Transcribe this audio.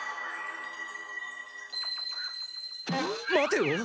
待てよ！